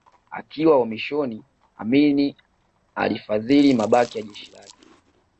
Akiwa uhamishoni Amin alifadhili mabaki ya jeshi lake